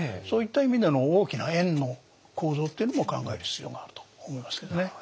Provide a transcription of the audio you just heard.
そういった意味での大きな円の構造っていうのも考える必要があると思いますけどね。